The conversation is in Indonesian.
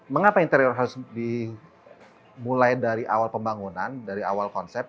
mengapa interior harus dimulai dari awal pembangunan dari awal konsep